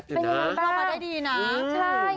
เป็นยังไงบ้าง